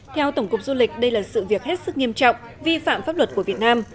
theo tổng cục du lịch đây là sự việc hết sức nghiêm trọng vi phạm pháp luật của việt nam